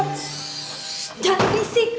shhh jangan risik